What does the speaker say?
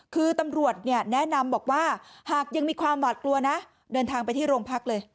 คือตำรวจเนี่ยแนะนำบอกว่าหากยังมีความหวาดกลัวนะเดินทางไปที่โรงพักเลย